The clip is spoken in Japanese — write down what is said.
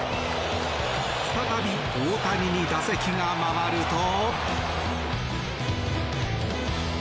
再び大谷に打席が回ると。